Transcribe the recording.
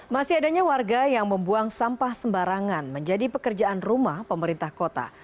masih adanya warga yang membuang sampah sembarangan menjadi pekerjaan rumah pemerintah kota